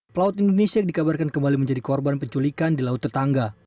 pelaut indonesia dikabarkan kembali menjadi korban penculikan di laut tetangga